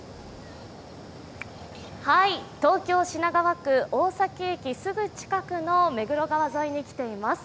東京・品川区、大崎駅すぐ近くの目黒川沿いに来ています。